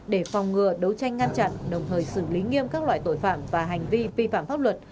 để phòng ngừa đấu tranh ngăn chặn đồng thời xử lý nghiêm các loại tội phạm và hành vi vi phạm pháp luật